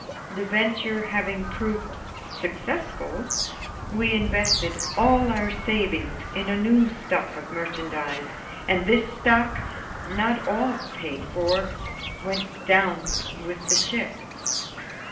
The venture having proved successful, we invested all our savings in a new stock of merchandise, and this stock, not all paid for, went down with the ship.